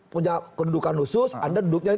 punya kedudukan khusus anda duduknya